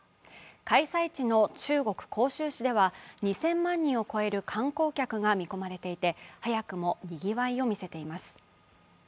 開催地の中国・杭州市では２０００万人を超える観光客が見込まれていて、早くもにぎわいを見せています。